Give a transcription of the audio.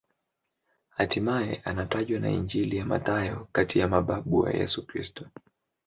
Hatimaye anatajwa na Injili ya Mathayo kati ya mababu wa Yesu Kristo.